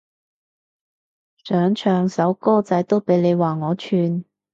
想唱首歌仔都俾你話我串